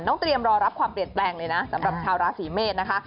เตรียมรอรับความเปลี่ยนแปลงเลยนะสำหรับชาวราศีเมษนะคะ